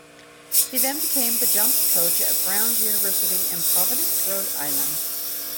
He then became the jumps coach at Brown University in Providence, Rhode Island.